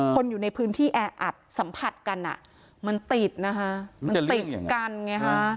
คนอยู่ในพื้นที่แออัดสัมผัสกันอ่ะมันติดนะคะมันติดกันไงฮะ